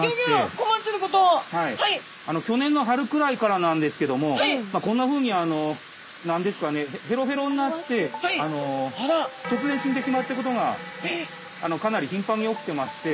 去年の春くらいからなんですけどもこんなふうに何ですかねへろへろになって突然死んでしまうっていうことがかなりひんぱんに起きてまして。